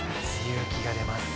勇気が出ます。